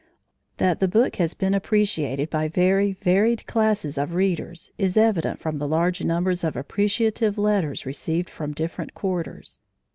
That the book has been appreciated by very varied classes of readers is evident from the large numbers of appreciative letters received from different quarters.